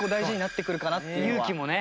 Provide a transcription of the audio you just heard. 勇気もね。